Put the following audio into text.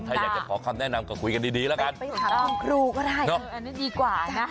ถ้าอยากจะขอคำแนะนำก็คุยกันดีแล้วกันไปหาคุณครูก็ได้อันนี้ดีกว่านะ